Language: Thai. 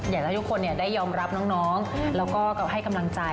อยากให้ทุกคนได้ยอมรับน้องแล้วก็ให้กำลังใจ